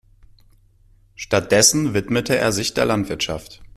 Stattdessen widmete er sich der Landwirtschaft.